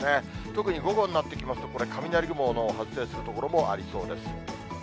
特に午後になってきますと、これ、雷の雲の発生する所もありそうです。